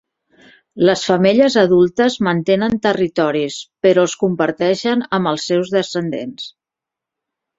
Les femelles adultes mantenen territoris, però els comparteixen amb els seus descendents.